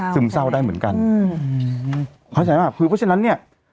ซึมเศร้าได้เหมือนกันคือเพราะฉะนั้นเนี่ย